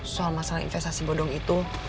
soal masalah investasi bodong itu